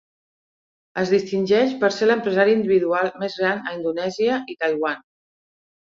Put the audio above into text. Es distingeix per ser l'empresari individual més gran a Indonèsia i Taiwan.